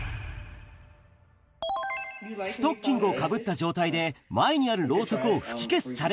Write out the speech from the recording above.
ストッキングをかぶった状態で、前にあるろうそくを吹き消すチャ